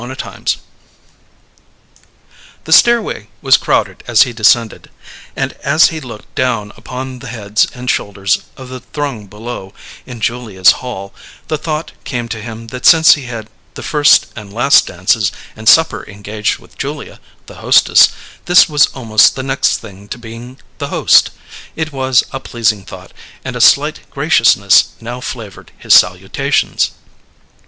CHAPTER ELEVEN The stairway was crowded as he descended; and as he looked down upon the heads and shoulders of the throng below, in Julia's hall, the thought came to him that since he had the first and last dances and supper engaged with Julia, the hostess, this was almost the next thing to being the host. It was a pleasing thought, and a slight graciousness now flavoured his salutations.